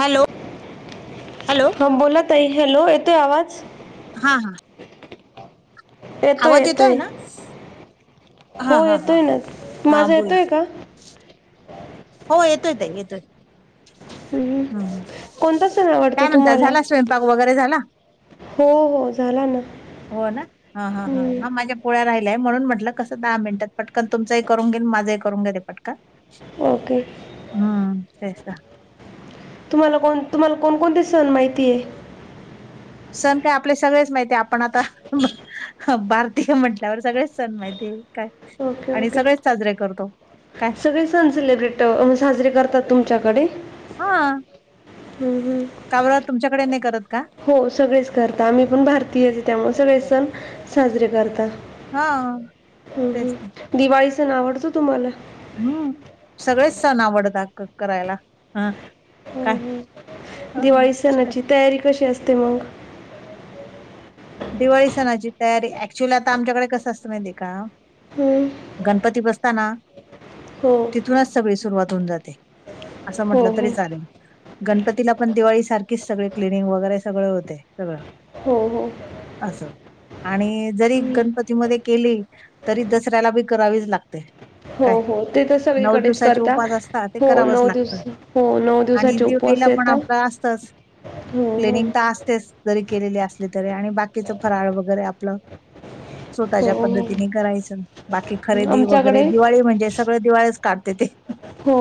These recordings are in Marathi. हॅलो. हॅलो हा बोला ताई हॅलो येतोय आवाज? हा हा आवाज येतोय ना. हा हो हा हा येतोय ना. हा माझा बोला येतोय का? हो येतोय ताई येतोय. हम्म. हा कोणता सण आवडतो काय म्हणताय तुम्हाला झाला स्वयंपाक वगैरे झाला? हो हो झाला ना. हो ना हा हा हा हम्म. हा माझ्या पोळ्या राहिल्याय म्हणून म्हटलं कसं दहा मिनिटात पटकन तुमचंही करून घेईन माझंही करून घेते पटकन. ओके. हम्म तेच ना. तुम्हाला कोण तुम्हाला कोणकोणते सण माहिती आहे? सण काय आपले सगळेच माहिती आहे आपण आता भारतीय म्हटल्यावर सगळेच सण माहिती काय ओके आणि ओके सगळेच साजरे करतो काय सगळे सण सेलिब्रेट साजरे करतात तुमच्याकडे? हम्म हम्म. का‌ बरं तुमच्याकडे नाही करत का? हो सगळेच करता आम्ही पण भारतीयच त्यामुळे सगळेच सण साजरे करतात हा तेच ना. दिवाळी सण आवडतो तुम्हाला? हम्म सगळेच सण आवडतात करायला हा. काय हं हं, हं. दिवाळी सणाची तयारी कशी असते मग? दिवाळी सणाची तयारी, ऍक्च्युअली आता आमच्याकडे कसं असतं माहितीये का, हम्म गणपती बसताना हो तिथूनच सगळी सुरुवात होऊन जाते, असं हो म्हटलं हो तरी चालेल. गणपतीला पण दिवाळी सारखीच सगळे, क्लिनिंग वगैरे सगळं होते सगळं. हो हो असं आणि जरी हम्म. गणपत ती मध्ये केली, तरी दसऱ्याला बी करावीच लागते. हो काय हो ते तर नऊ सगळीकडेच दिवसाचे करता उपास असता, ते हो करावच नऊ लागत दिवस हो नऊ आणि दिवसाचे दिव उपवास पहिला पण येतात आपलं असतच, हो हो क्लिनिंग तर असतेच. जरी केलेली असली तरी आणि बाकीच फराळ वगैरे आपलं हो स्वतःच्या पद्धतीने हो करायचं. बाकी खरेदी वगैरे, आमच्याकडे दिवाळी म्हणजे सगळ दिवाळच काढते ते. हो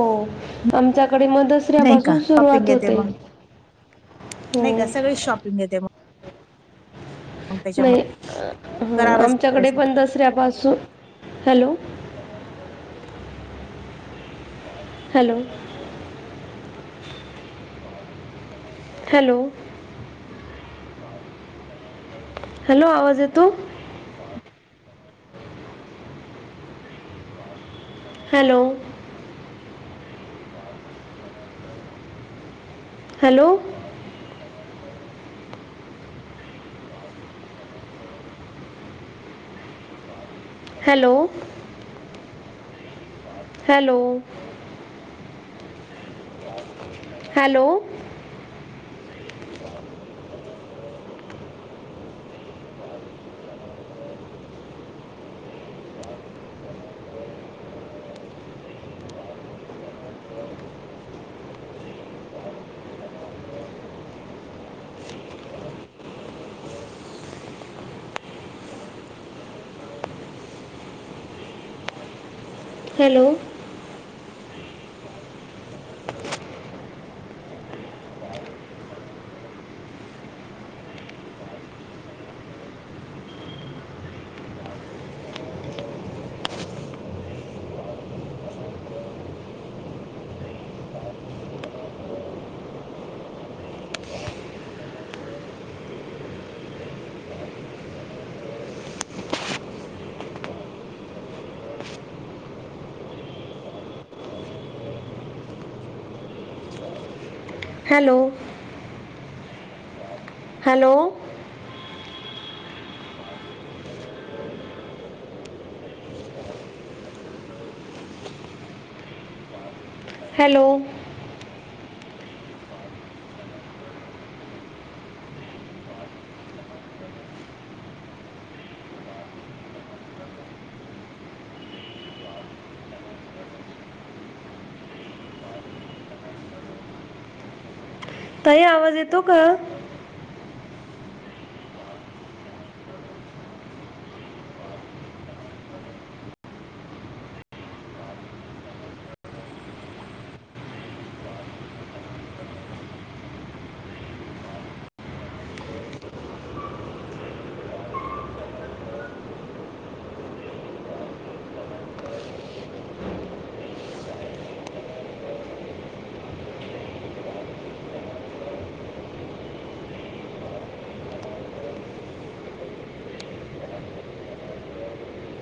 आमच्याकडे म दस् नाही का, शॉपिंग येते मग हो नाही का सगळेच शॉपिंग येते मग. नाही, त्याच्यामुळे अ ह करावंच आमच्याकडे लागते पण दसऱ्यापासून, हॅलो हॅलो हॅलो हॅलो, आवाज येतो? Hello hello hello hello hello hello hello hello hello ताई आवाज येतो का?